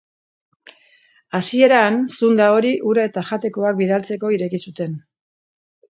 Hasieran, zunda hori ura eta jatekoak bidaltzeko ireki zuten.